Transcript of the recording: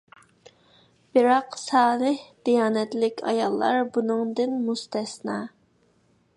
بىراق سالىھ، دىيانەتلىك ئاياللار بۇنىڭدىن مۇستەسنا.